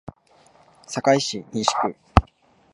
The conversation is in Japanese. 堺市西区